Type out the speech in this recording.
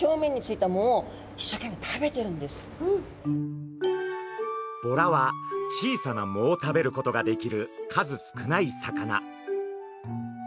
実はこのボラは小さな藻を食べることができる数少ない魚。